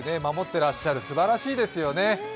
てらっしゃるすばらしいですよね。